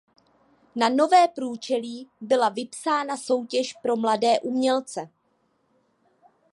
Na nové průčelí byla vypsána soutěž pro mladé umělce.